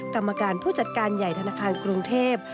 กรรมการผู้จัดการใหญ่ธนาคารกรุงเทพ